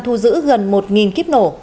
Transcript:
thu giữ gần một kiếp nổ